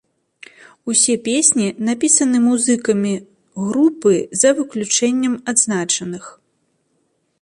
Усе песні напісаны музыкамі групы за выключэннем адзначаных.